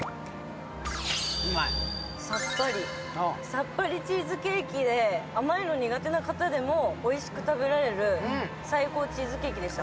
さっぱりチーズケーキで甘いの苦手な方でもおいしく食べられる、最高チーズケーキでした。